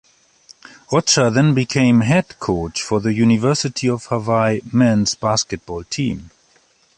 Rocha then became head coach for the University of Hawaii men's basketball team.